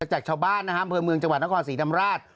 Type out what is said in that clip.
จากชาวบ้านเมืองจังหวัดนครศรีธรรมราช